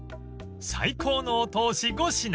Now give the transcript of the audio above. ［最高のお通し５品］